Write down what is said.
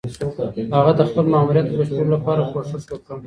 هغه د خپل ماموريت د بشپړولو لپاره کوښښ وکړ.